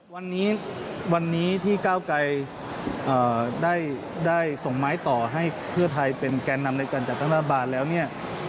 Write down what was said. วันนี้วันนี้ที่ก้าวไกรได้ส่งไม้ต่อให้เพื่อไทยเป็นแก่นำในการจัดตั้งรัฐบาลแล้วเนี่ย